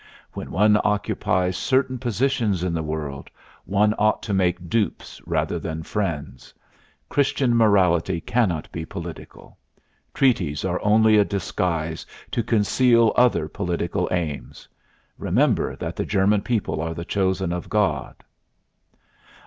When one occupies certain positions in the world one ought to make dupes rather than friends. Christian morality cannot be political. Treaties are only a disguise to conceal other political aims. Remember that the German people are the chosen of God.